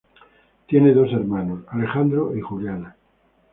Tiene dos hermanos, Alejandro y Juliana.